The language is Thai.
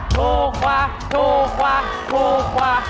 ถูกกว่าถูกกว่าถูกกว่า